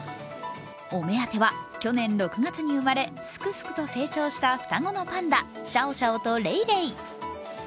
お目当ては、去年６月に生まれすくすくと成長した双子のパンダ、シャオシャオとレイレイ。